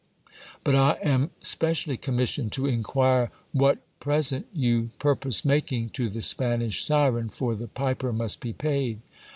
But I am specially commissioned to inquire what present you purpose making to the Spanish Syren, for the piper must be paid.